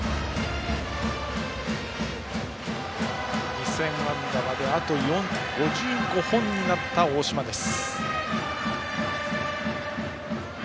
２０００安打まであと５５本になった大島です。